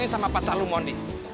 sama pak salumoni